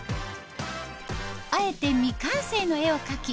あえて未完成の絵を描き